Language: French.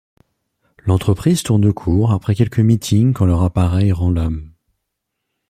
L'entreprise tourne court après quelques meetings quand leur appareil rend l'âme.